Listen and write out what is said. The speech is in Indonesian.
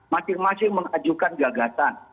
masing masing mengajukan gagasan